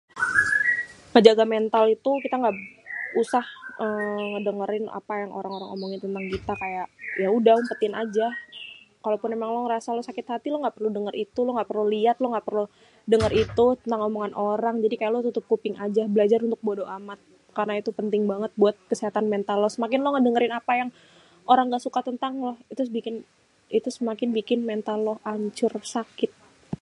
Ngejaga mental itu kita nggak usah èèè dèngèrin apa yang orang-orang omongin tentang kita, kayak ya udah umpètin aja. Kalo pun èmang lo ngerasa lo sakit hati, lo nggak perlu denger itu, lo nggak perlu liat, lo nggak perlu denger itu tentang omongan orang. Jadi kayak lo tutup kuping aja. Belajar untuk bodo amat karna itu penting banget buat kesehatan mental lo. Semakin lo ngedengerin apa yang orang nggak suka tentang lo, itu bikin, itu semakin bikin mental lo ancur, sakit